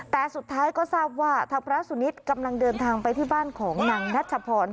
แต่สุดท้ายก็ทราบว่าทางพระสุนิทกำลังเดินทางไปที่บ้านของนางนัชพร